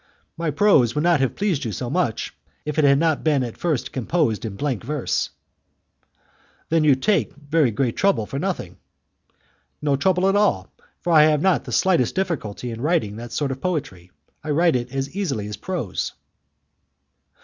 "My prose would not have pleased you so much, if it had not been at first composed in blank verse." "Then you take very great trouble for nothing." "No trouble at all, for I have not the slightest difficulty in writing that sort of poetry. I write it as easily as prose."